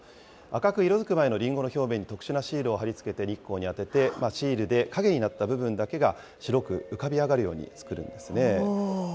赤く色づく前のりんごの表面に特殊なシールを貼り付けて日光に当てて、シールで陰になった部分だけが白く浮かび上がるように作るんですね。